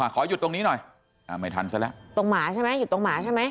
ขอหยุดตรงนี้หน่อยไม่ทันซะแล้วตรงหมาใช่ไหมหยุดตรงหมาใช่ไหม